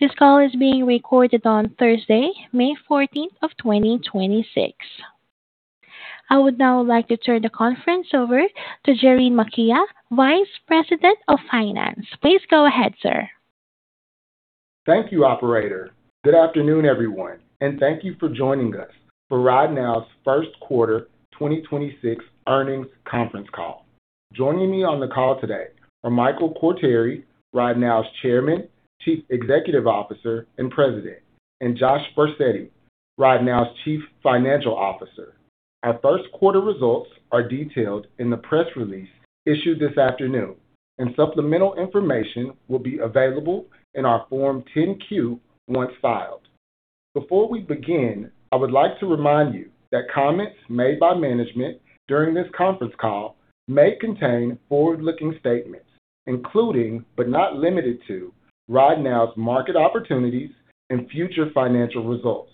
This call is being recorded on Thursday, May 14th of 2026. I would now like to turn the conference over to Jerry Makia, Vice President of Finance. Please go ahead, sir. Thank you, operator. Good afternoon, everyone, and thank you for joining us for RideNow's first quarter 2026 earnings conference call. Joining me on the call today are Michael Quartieri, RideNow's Chairman, Chief Executive Officer, and President, and Joshua Barsetti, RideNow's Chief Financial Officer. Our first quarter results are detailed in the press release issued this afternoon, and supplemental information will be available in our Form 10-Q once filed. Before we begin, I would like to remind you that comments made by management during this conference call may contain forward-looking statements, including, but not limited to, RideNow's market opportunities and future financial results.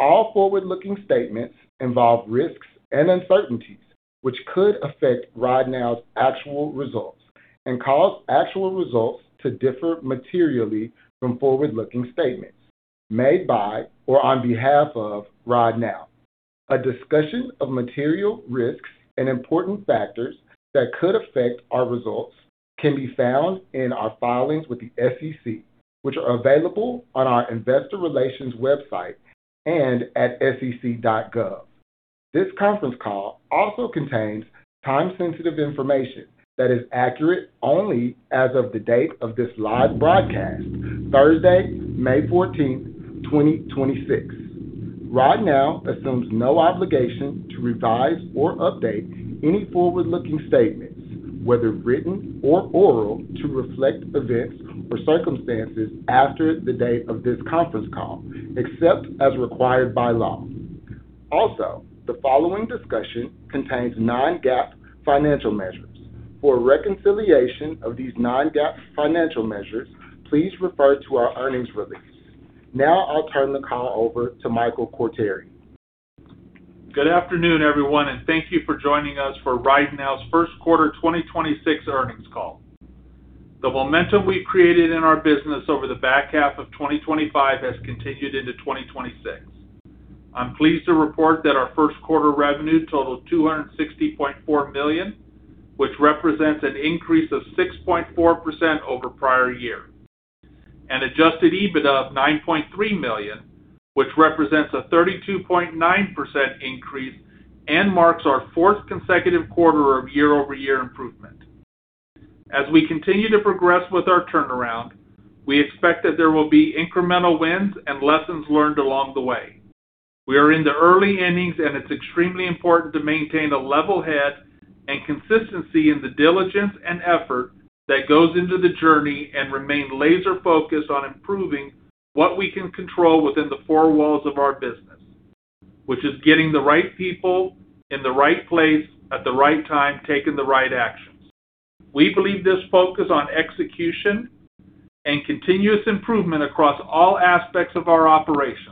All forward-looking statements involve risks and uncertainties, which could affect RideNow's actual results and cause actual results to differ materially from forward-looking statements made by or on behalf of RideNow. A discussion of material risks and important factors that could affect our results can be found in our filings with the SEC, which are available on our investor relations website and at sec.gov. This conference call also contains time-sensitive information that is accurate only as of the date of this live broadcast, Thursday, May 14, 2026. RideNow assumes no obligation to revise or update any forward-looking statements, whether written or oral, to reflect events or circumstances after the date of this conference call, except as required by law. Also, the following discussion contains non-GAAP financial measures. For a reconciliation of these non-GAAP financial measures, please refer to our earnings release. Now I'll turn the call over to Michael Quartieri. Good afternoon, everyone, and thank you for joining us for RideNow's first quarter 2026 earnings call. The momentum we've created in our business over the back half of 2025 has continued into 2026. I'm pleased to report that our first quarter revenue totaled $260.4 million, which represents an increase of 6.4% over prior year. An adjusted EBITDA of $9.3 million, which represents a 32.9% increase and marks our fourth consecutive quarter of year-over-year improvement. As we continue to progress with our turnaround, we expect that there will be incremental wins and lessons learned along the way. We are in the early innings, and it's extremely important to maintain a level head and consistency in the diligence and effort that goes into the journey and remain laser-focused on improving what we can control within the four walls of our business, which is getting the right people in the right place at the right time, taking the right actions. We believe this focus on execution and continuous improvement across all aspects of our operations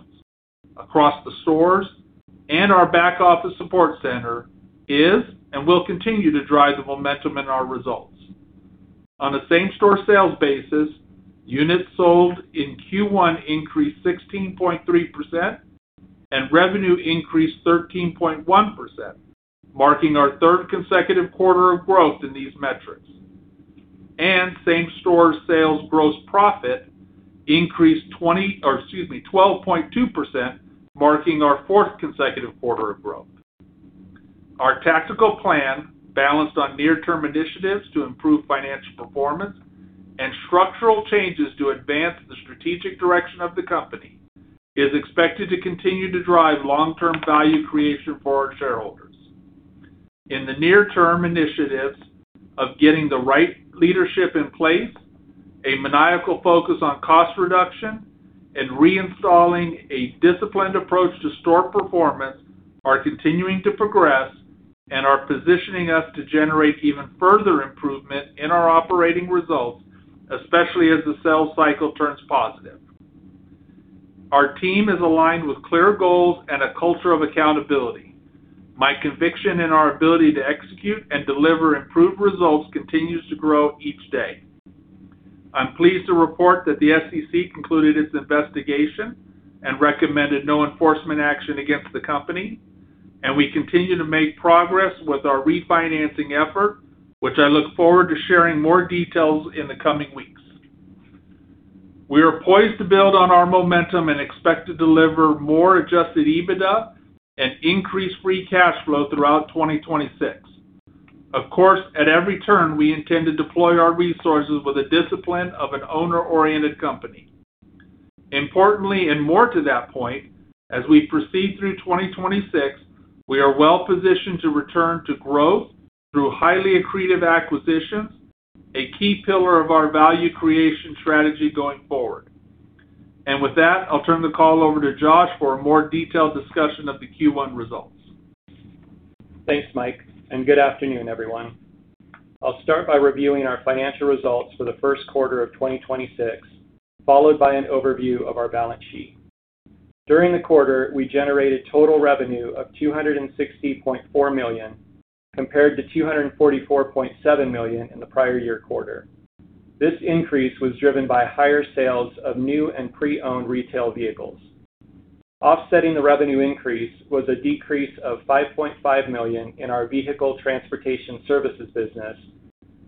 across the stores and our back office support center is and will continue to drive the momentum in our results. On a same-store sales basis, units sold in Q1 increased 16.3% and revenue increased 13.1%, marking our third consecutive quarter of growth in these metrics. Same-store sales gross profit increased 12.2%, marking our fourth consecutive quarter of growth. Our tactical plan, balanced on near-term initiatives to improve financial performance and structural changes to advance the strategic direction of the company, is expected to continue to drive long-term value creation for our shareholders. In the near term, initiatives of getting the right leadership in place, a maniacal focus on cost reduction, and reinstalling a disciplined approach to store performance are continuing to progress and are positioning us to generate even further improvement in our operating results, especially as the sales cycle turns positive. Our team is aligned with clear goals and a culture of accountability. My conviction in our ability to execute and deliver improved results continues to grow each day. I'm pleased to report that the SEC concluded its investigation and recommended no enforcement action against the company. We continue to make progress with our refinancing effort, which I look forward to sharing more details in the coming weeks. We are poised to build on our momentum and expect to deliver more adjusted EBITDA and increase free cash flow throughout 2026. Of course, at every turn, we intend to deploy our resources with the discipline of an owner-oriented company. Importantly, more to that point, as we proceed through 2026, we are well-positioned to return to growth through highly accretive acquisitions, a key pillar of our value creation strategy going forward. With that, I'll turn the call over to Josh for a more detailed discussion of the Q1 results. Thanks, Mike. Good afternoon, everyone. I'll start by reviewing our financial results for the first quarter of 2026, followed by an overview of our balance sheet. During the quarter, we generated total revenue of $260.4 million, compared to $244.7 million in the prior year quarter. This increase was driven by higher sales of new and pre-owned retail vehicles. Offsetting the revenue increase was a decrease of $5.5 million in our vehicle transportation services business,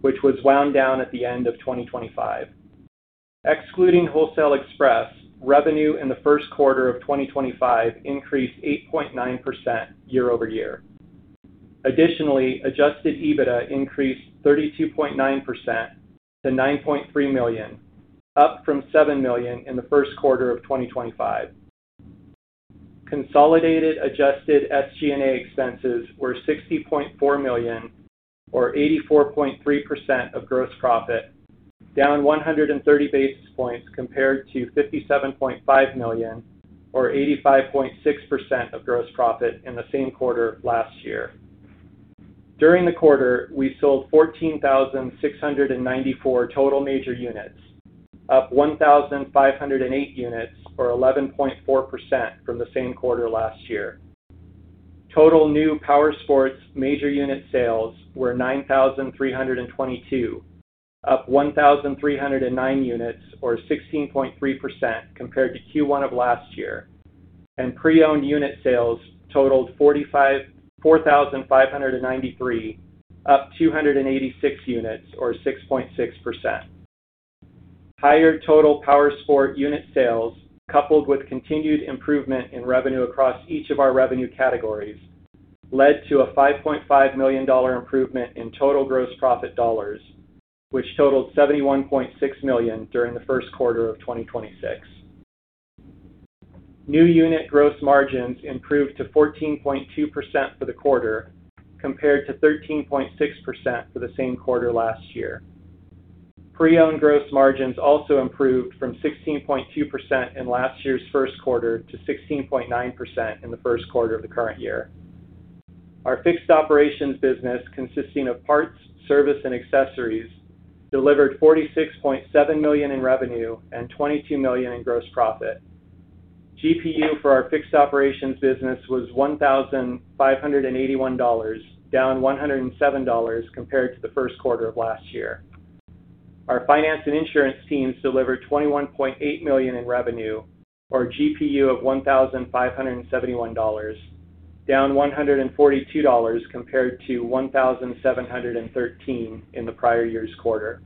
which was wound down at the end of 2025. Excluding Wholesale Express, revenue in the first quarter of 2025 increased 8.9% year-over-year. Additionally, adjusted EBITDA increased 32.9% to $9.3 million, up from $7 million in the first quarter of 2025. Consolidated adjusted SG&A expenses were $60.4 million or 84.3% of gross profit, down 130 basis points compared to $57.5 million or 85.6% of gross profit in the same quarter last year. During the quarter, we sold 14,694 total major units, up 1,508 units or 11.4% from the same quarter last year. Total new powersports major unit sales were 9,322, up 1,309 units or 16.3% compared to Q1 of last year. Pre-owned unit sales totaled 4,593, up 286 units or 6.6%. Higher total powersport unit sales, coupled with continued improvement in revenue across each of our revenue categories, led to a $5.5 million improvement in total gross profit dollars, which totaled $71.6 million during the first quarter of 2026. New unit gross margins improved to 14.2% for the quarter compared to 13.6% for the same quarter last year. Pre-owned gross margins also improved from 16.2% in last year's first quarter to 16.9% in the first quarter of the current year. Our fixed operations business, consisting of parts, service, and accessories, delivered $46.7 million in revenue and $22 million in gross profit. GPU for our fixed operations business was $1,581, down $107 compared to the first quarter of last year. Our finance and insurance teams delivered $21.8 million in revenue or GPU of $1,571, down $142 compared to $1,713 in the prior year's quarter.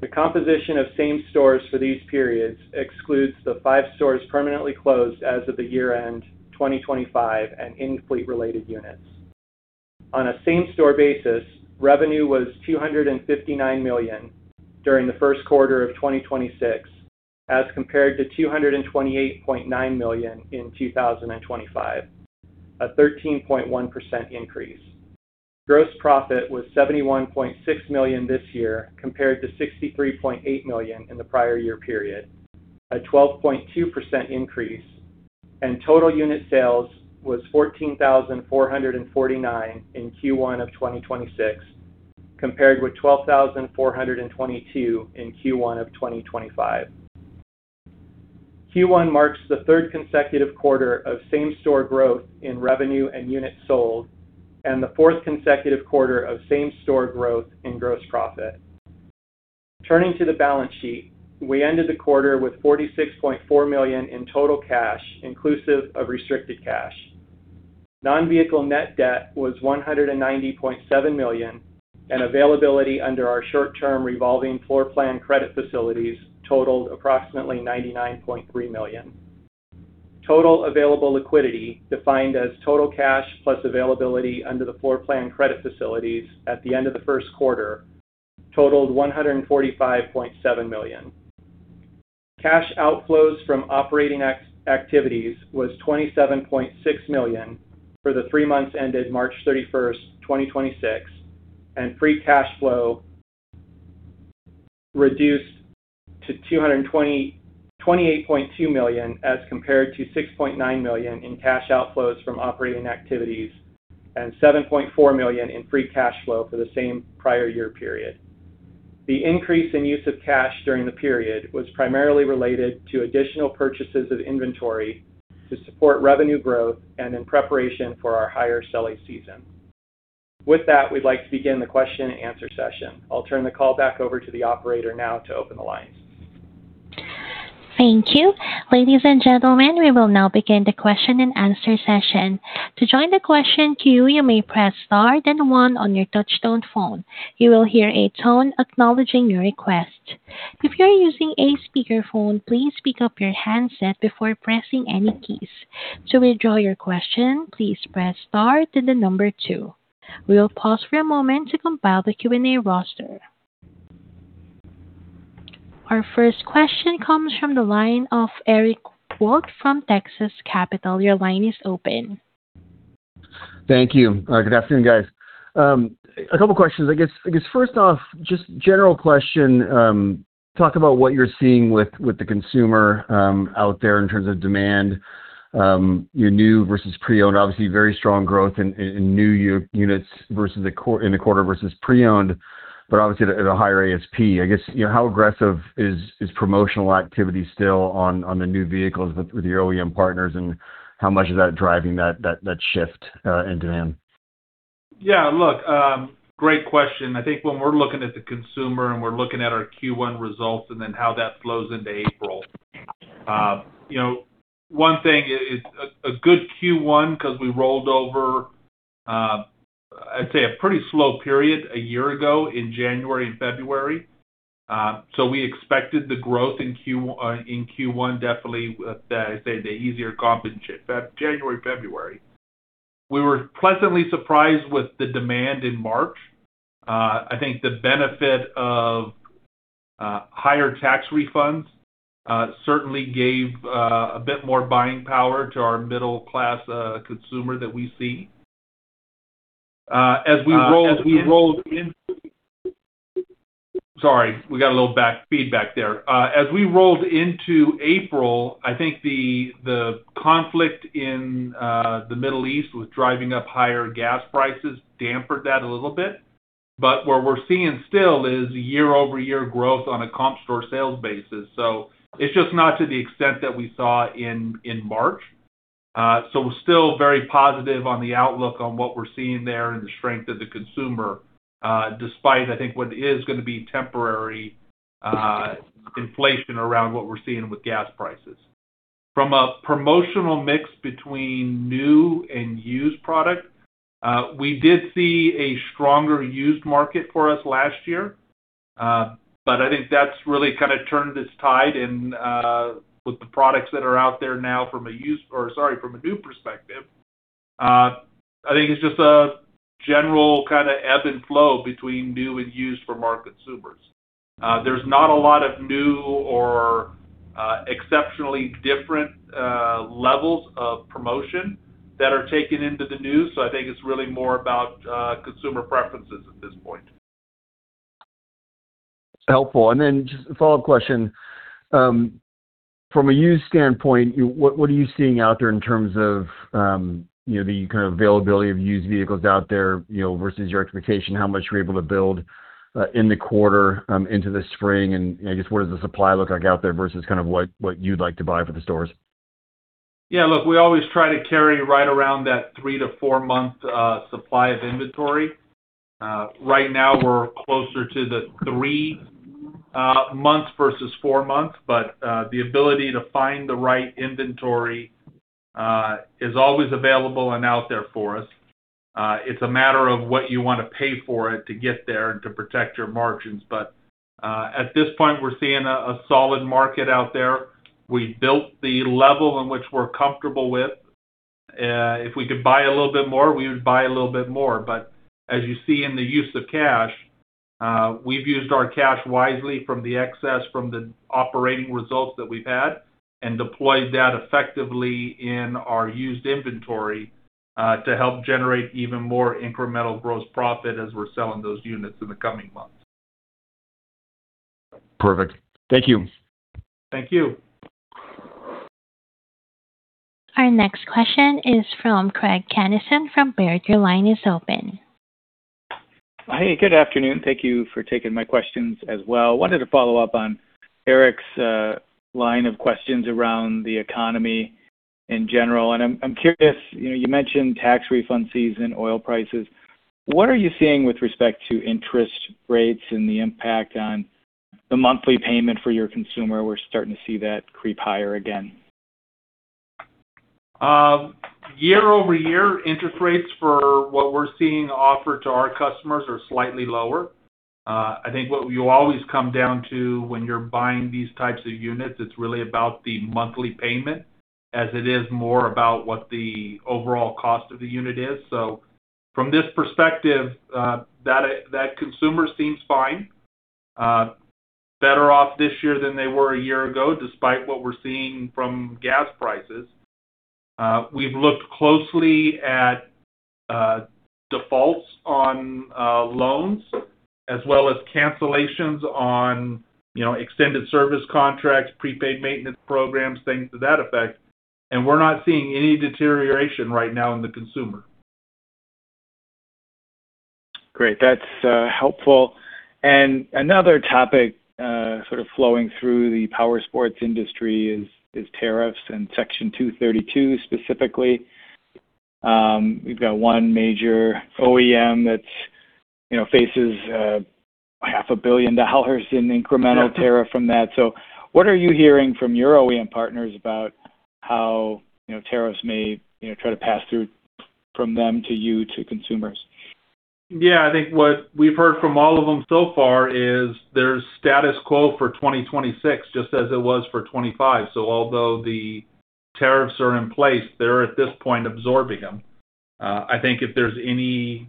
The composition of same stores for these periods excludes the five stores permanently closed as of the year-end 2025 and in-fleet related units. On a same-store basis, revenue was $259 million during the first quarter of 2026 as compared to $228.9 million in 2025, a 13.1% increase. Gross profit was $71.6 million this year compared to $63.8 million in the prior year period, a 12.2% increase. Total unit sales was 14,449 in Q1 of 2026 compared with 12,422 in Q1 of 2025. Q1 marks the third consecutive quarter of same-store growth in revenue and units sold and the fourth consecutive quarter of same-store growth in gross profit. Turning to the balance sheet, we ended the quarter with $46.4 million in total cash inclusive of restricted cash. Non-vehicle net debt was $190.7 million, and availability under our short-term revolving floor plan credit facilities totaled approximately $99.3 million. Total available liquidity, defined as total cash plus availability under the floor plan credit facilities at the end of the first quarter totaled $145.7 million. Cash outflows from operating activities was $27.6 million for the 3 months ended March 31, 2026, and free cash flow reduced to $228.2 million as compared to $6.9 million in cash outflows from operating activities and $7.4 million in free cash flow for the same prior year period. The increase in use of cash during the period was primarily related to additional purchases of inventory to support revenue growth and in preparation for our higher selling season. With that, we'd like to begin the question and answer session. I'll turn the call back over to the operator now to open the lines. Thank you. Ladies and gentlemen, we will now begin the question and answer session. We will pause for a moment to compile the Q&A roster. Our first question comes from the line of Eric Wold from Texas Capital Securities. Your line is open. Thank you. Good afternoon, guys. A couple questions, I guess. I guess first off, just general question, talk about what you're seeing with the consumer out there in terms of demand, your new versus pre-owned. Obviously very strong growth in new units versus in the quarter versus pre-owned. Obviously at a higher ASP. I guess, you know, how aggressive is promotional activity still on the new vehicles with your OEM partners, and how much is that driving that shift into them? Yeah. Look, great question. I think when we're looking at the consumer and we're looking at our Q1 results and then how that flows into April, you know, one thing is a good Q1, 'cause we rolled over, I'd say a pretty slow period a year ago in January and February. We expected the growth in Q1 definitely with the, I'd say the easier comp in January, February. We were pleasantly surprised with the demand in March. I think the benefit of higher tax refunds certainly gave a bit more buying power to our middle-class consumer that we see. As we rolled in Sorry, we got a little back feedback there. As we rolled into April, I think the conflict in the Middle East was driving up higher gas prices, dampened that a little bit. What we're seeing still is year-over-year growth on a comp store sales basis. It's just not to the extent that we saw in March. We're still very positive on the outlook on what we're seeing there and the strength of the consumer, despite I think what is gonna be temporary inflation around what we're seeing with gas prices. From a promotional mix between new and used product, we did see a stronger used market for us last year. I think that's really kinda turned its tide, with the products that are out there now from a used or, sorry, from a new perspective, I think it's just a general kinda ebb and flow between new and used for market consumers. There's not a lot of new or exceptionally different levels of promotion that are taken into the news, I think it's really more about consumer preferences at this point. Helpful. Just a follow-up question. From a used standpoint, what are you seeing out there in terms of, you know, the kind of availability of used vehicles out there, you know, versus your expectation, how much you're able to build in the quarter into the spring? You know, just what does the supply look like out there versus kind of what you'd like to buy for the stores? Yeah. Look, we always try to carry right around that three to four-month supply of inventory. Right now we're closer to the three months versus four months. The ability to find the right inventory is always available and out there for us. It's a matter of what you wanna pay for it to get there and to protect your margins. At this point, we're seeing a solid market out there. We built the level in which we're comfortable with. If we could buy a little bit more, we would buy a little bit more. As you see in the use of cash, we've used our cash wisely from the excess from the operating results that we've had and deployed that effectively in our used inventory, to help generate even more incremental gross profit as we're selling those units in the coming months. Perfect. Thank you. Thank you. Our next question is from Craig Kennison from Baird. Your line is open. Hey, good afternoon. Thank you for taking my questions as well. Wanted to follow up on Eric Wold's line of questions around the economy in general. I'm curious, you know, you mentioned tax refund season, oil prices. What are you seeing with respect to interest rates and the impact on the monthly payment for your consumer? We're starting to see that creep higher again. Year-over-year, interest rates for what we're seeing offered to our customers are slightly lower. I think what you always come down to when you're buying these types of units, it's really about the monthly payment as it is more about what the overall cost of the unit is. From this perspective, that consumer seems fine. Better off this year than they were a year ago, despite what we're seeing from gas prices. We've looked closely at defaults on loans as well as cancellations on, you know, extended service contracts, prepaid maintenance programs, things to that effect, and we're not seeing any deterioration right now in the consumer. Great. That's helpful. Another topic, sort of flowing through the powersports industry is tariffs and Section 232 specifically. We've got one major OEM that's, you know, faces half a billion dollars in incremental tariff from that. What are you hearing from your OEM partners about how, you know, tariffs may, you know, try to pass through from them to you to consumers? Yeah. I think what we've heard from all of them so far is there's status quo for 2026, just as it was for 25. Although the tariffs are in place, they're at this point absorbing them. I think if there's any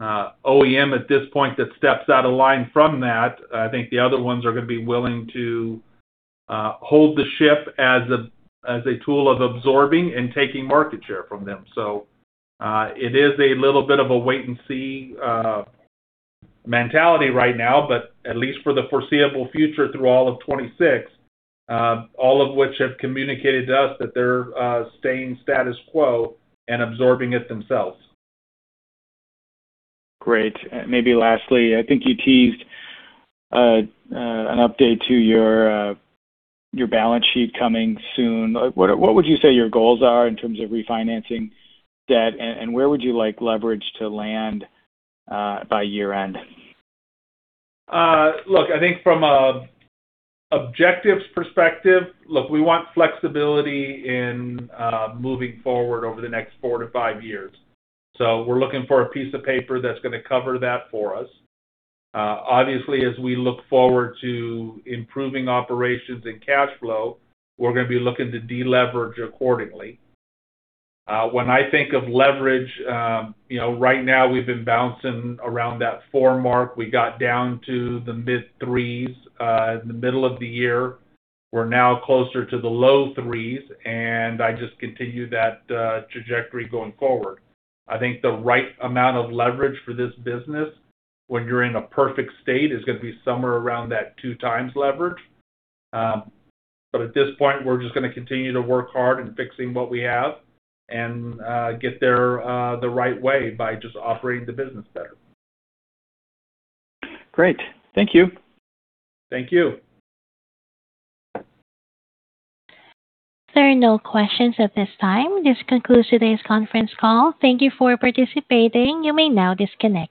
OEM at this point that steps out of line from that, I think the other ones are gonna be willing to hold the ship as a, as a tool of absorbing and taking market share from them. It is a little bit of a wait and see mentality right now, but at least for the foreseeable future through all of 26, all of which have communicated to us that they're staying status quo and absorbing it themselves. Great. Maybe lastly, I think you teased an update to your balance sheet coming soon. Like, what would you say your goals are in terms of refinancing debt, and where would you like leverage to land by year-end? Look, I think from a objectives perspective, look, we want flexibility in moving forward over the next 4 to 5 years. We're looking for a piece of paper that's going to cover that for us. Obviously, as we look forward to improving operations and cash flow, we're going to be looking to deleverage accordingly. When I think of leverage, you know, right now we've been bouncing around that 4 mark. We got down to the mid 3s in the middle of the year. We're now closer to the low 3s, and I just continue that trajectory going forward. I think the right amount of leverage for this business when you're in a perfect state is going to be somewhere around that 2 times leverage. At this point, we're just gonna continue to work hard in fixing what we have and get there the right way by just operating the business better. Great. Thank you. Thank you. There are no questions at this time. This concludes today's conference call. Thank you for participating. You may now disconnect.